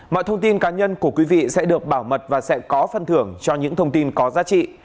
mọi thông tin cá nhân của quý vị sẽ được bảo mật và sẽ có phân thưởng cho những thông tin có giá trị